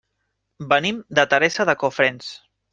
Venim de Teresa de Cofrents.